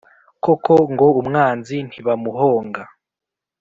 Koko ngo umwanzi ntibamuhonga